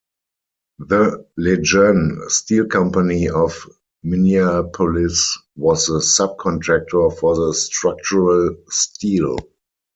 The LeJeune Steel Company of Minneapolis was the subcontractor for the structural steel.